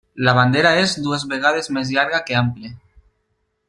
La bandera és dues vegades més llarga que ample.